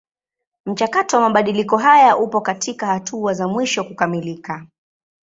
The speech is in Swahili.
Mchakato wa mabadiliko haya upo katika hatua za mwisho kukamilika.